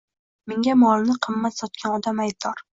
Menga molini qimmat sotgan odam aybdor